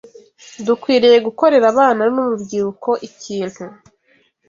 Dukwiriye gukorera abana n’urubyiruko ikintu